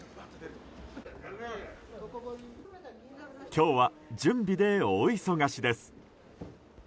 今日は準備で大忙しです。